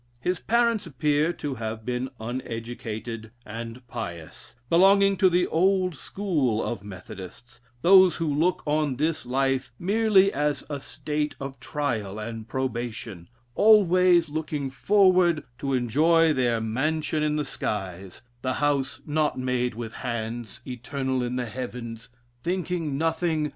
His parents appear to have been uneducated and pious; belonging to the old school of Methodists, those who look on this life merely as a state of trial and probation; always looking forward to enjoy their mansion in the skies the house not made with hands eternal in the heavens, thinking nothing